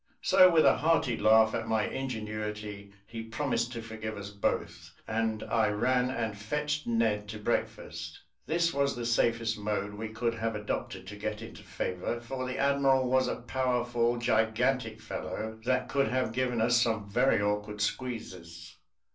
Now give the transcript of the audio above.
So with a hearty laugh at my ingenuity, he promised to forgive us both, and I ran and fetched Ned to breakfast. This was the safest mode we could have adopted to get into favour, for the admiral was a powerful, gigantic fellow, that could have given us some very awkward squeezes.